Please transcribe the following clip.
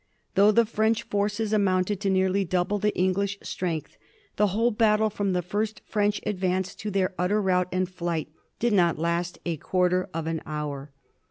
Though the French forces amounted to nearly double the English strength, the whole battle, from the first French advance to their utter rout and flight, did not last a quarter of an hour.